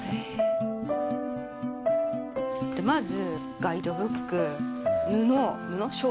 まず。